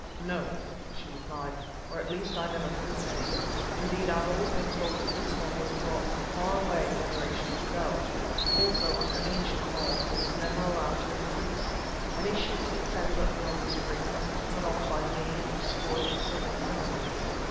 "No," she replied, "or at least I never heard of any. Indeed, I have always been told that this one was brought from far away generations ago. Also, under an ancient law, it is never allowed to increase. Any shoots it sends up beyond this ring must be cut off by me and destroyed with certain ceremonies.